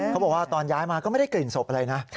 เขาบอกว่าตอนย้ายมาก็ไม่ได้กลิ่นศพอะไรนะ